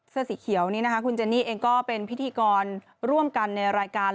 เสื้อสีเขียวนี้นะคะคุณเจนี่เองก็เป็นพิธีกรร่วมกันในรายการ